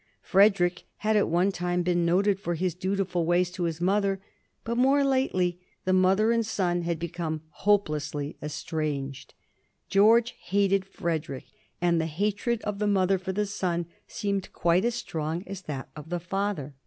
Frederick had at one time been noted for his dutiful ways to his mother; but more lately the mother and son had become hopelessly estranged. George hated Frederick, and the hatred of the mother for the son seemed quite as strong as that of the father.